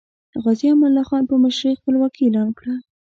غازی امان الله خان په مشرۍ خپلواکي اعلان کړه.